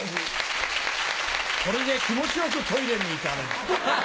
これで気持ち良くトイレに行かれる。